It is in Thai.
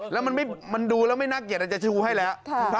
แล้วมันดูแล้วไม่น่าเกลียดอาจจะชูให้แล้ว